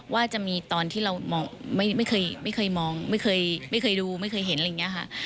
ว่าจะมีตอนที่เราไม่เคยมองไม่เคยดูไม่เคยเห็นอะไรอย่างนี้ค่ะ